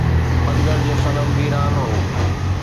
پندر جو صنم ويران هو